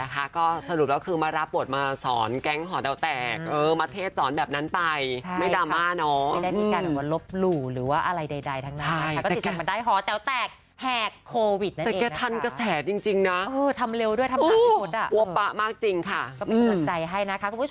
กลับไม่มีด่าอะไรอย่างเงี้ย